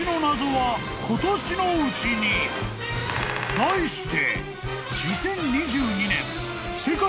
［題して］